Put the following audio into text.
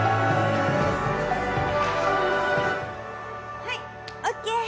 はいオッケー！